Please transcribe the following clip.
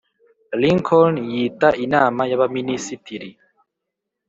lincoln yita inama y'abaminisitiri